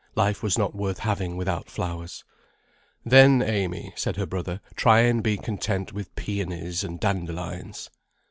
Life was not worth having without flowers. "Then, Amy," said her brother, "try and be content with peonies and dandelions."